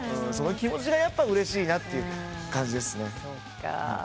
その気持ちがやっぱうれしいなって感じですね。